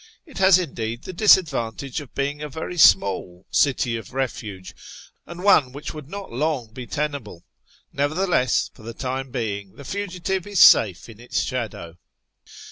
It has, indeed, the disadvantage of being a very small " city of refuge," and one which would not long be tenable ; nevertheless, for the time being, the fugitive is safe in its shadow.